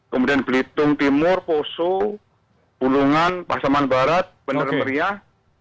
kemudian belitung timur poso bulungan pasaman barat bener meriah